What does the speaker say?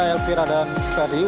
ya lp radang radio